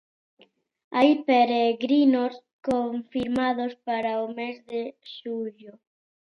Hai peregrinos confirmados, para o mes de xullo.